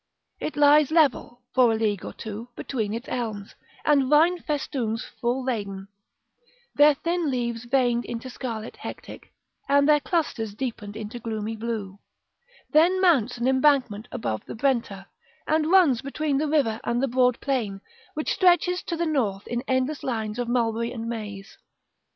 It lies level, for a league or two, between its elms, and vine festoons full laden, their thin leaves veined into scarlet hectic, and their clusters deepened into gloomy blue; then mounts an embankment above the Brenta, and runs between the river and the broad plain, which stretches to the north in endless lines of mulberry and maize.